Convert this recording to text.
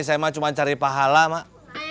saya mah cuma cari pahala mak